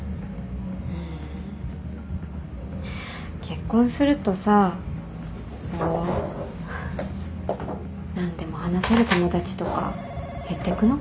うん。結婚するとさもう何でも話せる友達とか減ってくのかもね。